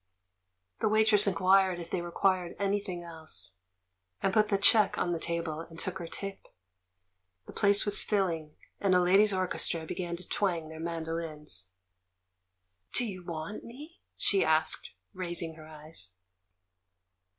The w^aitress inquired if they re quired anything else, and put the check on the table, and took her tip. The place was filling, and a ladies' orchestra began to twang their mandolins. "Do you want me?" she asked, raising her eyes.